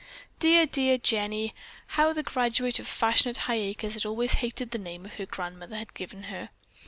"Dear, dear Jenny!" (How the graduate of fashionable Highacres had always hated the name her grandmother had given her.)